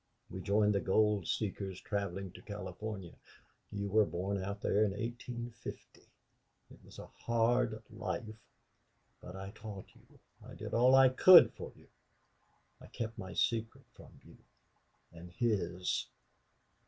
We joined the gold seekers traveling to California. You were born out there in 1850.... It has been a hard life. But I taught you I did all I could for you. I kept my secret from you and his!...